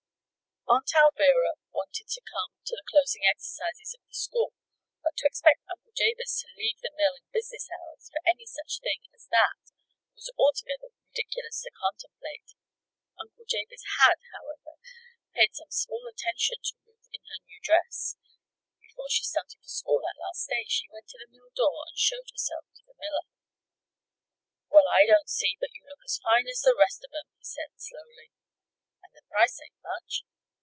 Aunt Alvirah wanted to come to the closing exercises of the school; but to expect Uncle Jabez to leave the mill in business hours for any such thing as that was altogether ridiculous to contemplate. Uncle Jabez had, however, paid some small attention to Ruth in her new dress. Before she started for school that last day she went to the mill door and showed herself to the miller. "Well, I don't see but you look as fine as the rest of 'em," he said, slowly. "And the price ain't much.